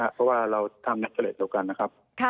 เพราะว่าเราทำนักเทรดเดียวกันนะครับ